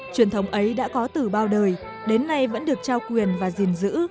truyền thống ấy đã có từ bao đời đến nay vẫn được trao quyền và gìn giữ